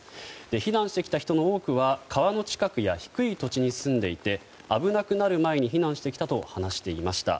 避難してきた人の多くは川の近くや低い土地に住んでいて危なくなる前に避難してきたと話していました。